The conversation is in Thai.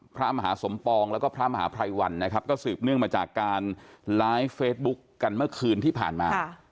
พระมหาสมปองแล้วก็พระมหาภัยวันนะครับก็สืบเนื่องมาจากการไลฟ์เฟซบุ๊คกันเมื่อคืนที่ผ่านมา